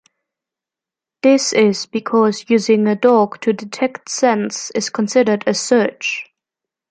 This is because using a dog to detect scents is considered a search.